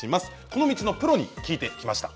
この道のプロに聞いてきました。